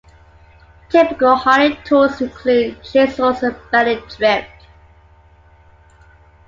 Typical hardy tools include chisels and bending drifts.